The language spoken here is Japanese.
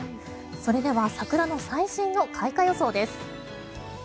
それでは桜の最新の開花予想です。